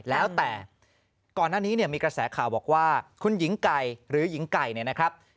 แล้วแต่ก่อนหน้านี้เนี่ยมีกระแสข่าวบอกว่าคุณหญิงไก่หรือหญิงไก่เนี่ยนะครับ